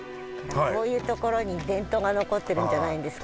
こういうところに伝統が残ってるんじゃないんですか。